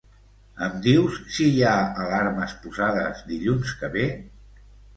Em dius si hi ha alarmes posades dilluns que ve?